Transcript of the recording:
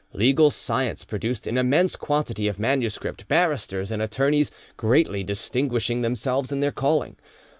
Legal science produced an immense quantity of manuscript, barristers and attorneys greatly distinguishing themselves in their calling.